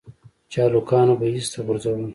چې هلکانو به ايسته غورځول.